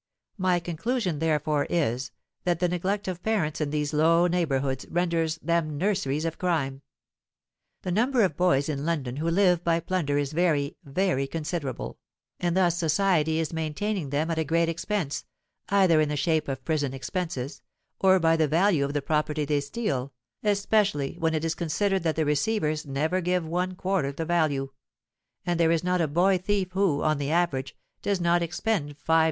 My conclusion, therefore, is, that the neglect of parents in these low neighbourhoods renders them nurseries of crime. The number of boys in London who live by plunder is very—very considerable: and thus society is maintaining them at a great expense, either in the shape of prison expenses, or by the value of the property they steal, especially when it is considered that the receivers never give one quarter the value: and there is not a boy thief who, on the average, does not expend 5_s.